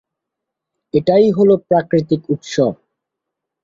এটাই হলো প্রাকৃতিক উৎস।